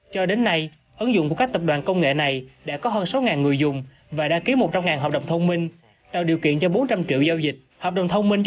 cho nên là về mặt công nghệ thì gần như chúng ta đối diện với rủi ro rất ít